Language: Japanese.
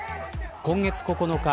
今月９日